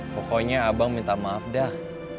pokoknya abang minta maaf dah